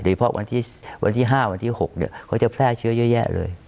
เพราะวันที่๕วันที่๖เขาจะแพร่เชื้อเยอะแยะเลย